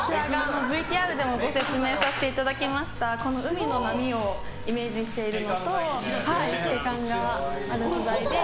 ＶＴＲでもご説明させていただきましたこの海の波をイメージしているのと透け感がある素材で。